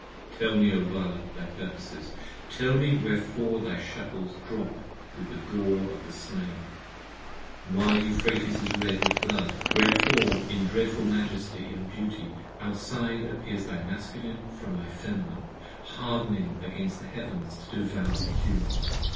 Tell me, O Vala, thy purposes; tell me wherefore thy shuttles Drop with the gore of the slain; why Euphrates is red with blood; 70 Wherefore in dreadful majesty & beauty outside appears Thy Masculine from thy Feminine, hardening against the heavens To devour the Human!